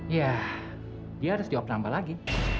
ya dia harus diop nambah lagi